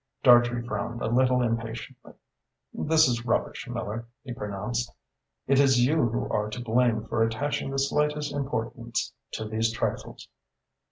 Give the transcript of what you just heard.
Dartrey frowned a little impatiently. "This is rubbish, Miller," he pronounced. "It is you who are to blame for attaching the slightest importance to these trifles."